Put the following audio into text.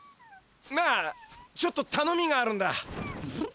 なあちょっとたのみがあるんだ。